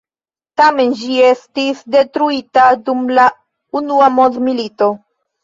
Tamen ĝi estis detruita dum la Unua mondmilito.